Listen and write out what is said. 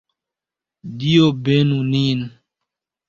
Dio benu nin!